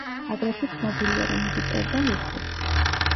აგრეთვე ცნობილია, რომ იგი წერდა ლექსებს.